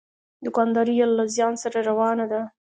دوکانداري یې له زیان سره روانه ده.